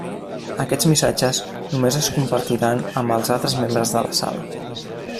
Aquests missatges només es compartiran amb els altres membres de la Sala.